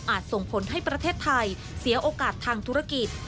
ส่งผลให้ประเทศไทยเสียโอกาสทางธุรกิจ